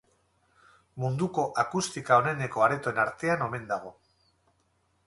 Munduko akustika oneneko aretoen artean omen dago.